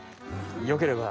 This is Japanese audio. よければ。